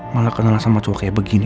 malah kenal sama cowok kayak begini